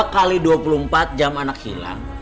dua x dua puluh empat jam anak hilang